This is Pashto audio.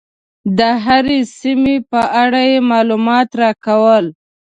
د هرې سیمې په اړه یې معلومات راکول.